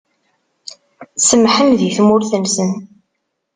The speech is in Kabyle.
Semmḥen di tmurt-nsen.